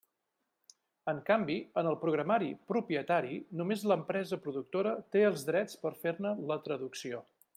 En canvi, en el programari propietari només l'empresa productora té els drets per fer-ne la traducció.